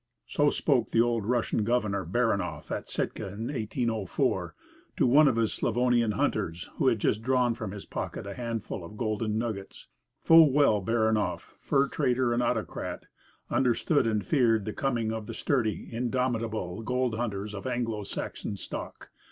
So spoke the old Russian governor, Baranov, at Sitka, in 1804, to one of his Slavonian hunters, who had just drawn from his pocket a handful of golden nuggets. Full well Baranov, fur trader and autocrat, understood and feared the coming of the sturdy, indomitable gold hunters of Anglo Saxon stock.